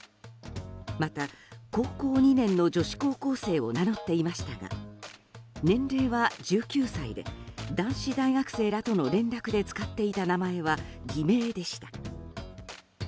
また、高校２年の女子高校生を名乗っていましたが年齢は１９歳で男子大学生らとの連絡で使っていた名前は偽名でした。